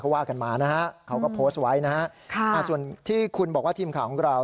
ว่ากันมานะฮะเขาก็โพสต์ไว้นะฮะส่วนที่คุณบอกว่าทีมข่าวของเรา